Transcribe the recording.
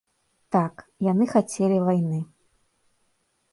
Так, яны хацелі вайны.